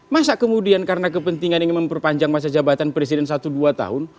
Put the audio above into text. masa kemudian karena kepentingan ingin memperpanjang masa jabatan presiden satu dua tahun